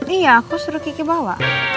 iya aku suruh kiki bawa